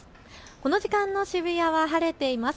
この時間の渋谷は晴れています。